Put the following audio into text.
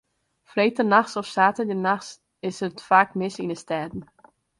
Freedtenachts of saterdeitenachts is it faak mis yn de stêden.